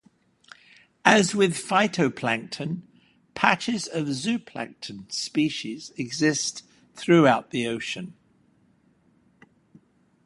As with phytoplankton, 'patches' of zooplankton species exist throughout the ocean.